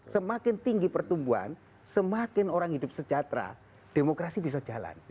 semakin tinggi pertumbuhan semakin orang hidup sejahtera demokrasi bisa jalan